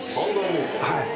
はい。